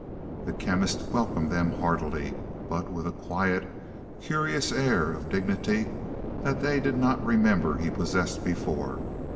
The Chemist welcomed them heartily, but with a quiet, curious air of dignity that they did not remember he possessed before.